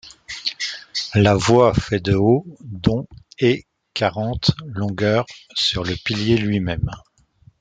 La voie fait de haut dont et quarante longueurs sur le pilier lui-même.